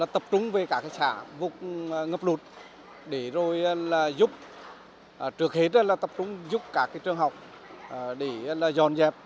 tập trung về các xã vùng ngập lụt để rồi giúp trước hết là tập trung giúp các trường học để dọn dẹp